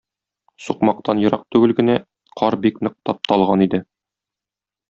Сукмактан ерак түгел генә кар бик нык тапталган иде.